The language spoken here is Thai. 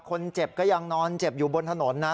คนเจ็บก็ยังนอนเจ็บอยู่บนถนนนะ